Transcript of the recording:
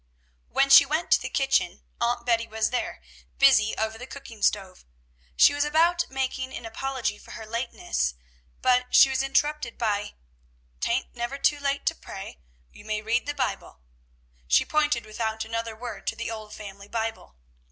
When she went to the kitchen, Aunt Betty was there busy over the cooking stove. She was about making an apology for her lateness, but she was interrupted by, "'Taint never too late to pray; you may read the Bible." She pointed without another word to the old family Bible.